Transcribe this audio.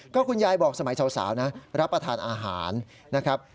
ก็คุณยายบอกสมัยสาวนะรับประทานอาหารนะครับ